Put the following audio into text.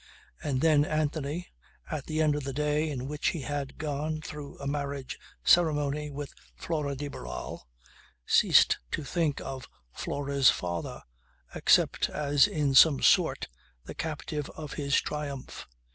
And then Anthony, at the end of the day in which he had gone through a marriage ceremony with Flora de Barral, ceased to think of Flora's father except, as in some sort, the captive of his triumph.